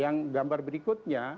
nah yang gambar berikutnya